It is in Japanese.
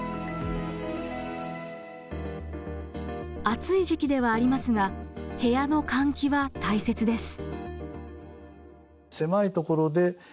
暑い時期ではありますが部屋の換気は大切です。